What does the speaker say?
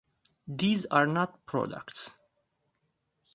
These are not products.